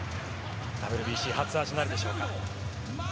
ＷＢＣ初アーチなるでしょうか。